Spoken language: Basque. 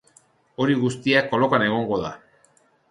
Hori guztia kolokan egongo da.